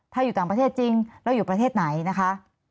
ถ้าอยู่ต่างประเทศจริงแล้วอยู่ประเทศไหนนะคะ